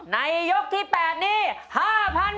ในยกที่๘นี้๕๐๐๐บาท